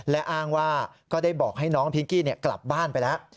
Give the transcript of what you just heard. และอ้างว่าก็ได้บอกให้น้องพิงกี้กลับบ้านไปแล้ว